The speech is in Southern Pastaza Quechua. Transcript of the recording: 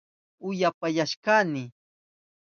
Upyapayashkani